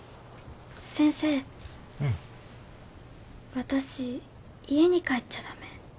わたし家に帰っちゃダメ？